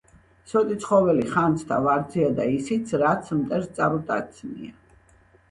სვეტიცხოველი...ხანძთა...ვარძია და ისიც, რაც მტერს წარუტაცნია.